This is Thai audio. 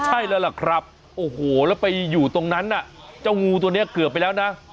ใช่แล้วล่ะครับโอ้โหแล้วไปอยู่ตรงนั้นน่ะเจ้างูตัวนี้เกือบไปแล้วนะ